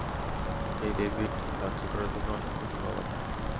হেই David, সাহায্য করার জন্য অসংখ্য ধন্যবাদ!